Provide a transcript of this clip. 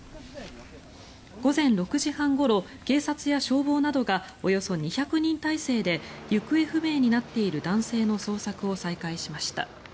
午前６時半ごろ警察や消防などがおよそ２００人態勢で行方不明になっている男性の捜索を再開しました。